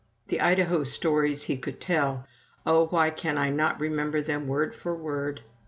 The Idaho stories he could tell oh, why can I not remember them word for word?